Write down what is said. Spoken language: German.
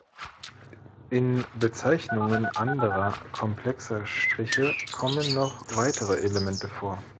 In Bezeichnungen anderer komplexer Striche kommen noch weitere Elemente vor.